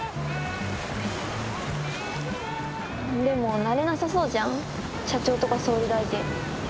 でもなれなさそうじゃん社長とか総理大臣。